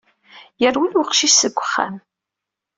Yerwel weqcic seg wexxam.